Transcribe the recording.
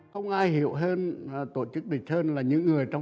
không ai hiểu hơn tổ chức bình thân là những người